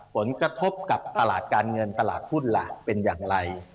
ผลกระทบกับตลาดการเงินตลาดหุ้นล่ะเป็นอย่างไร